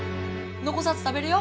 残さず食べれよ！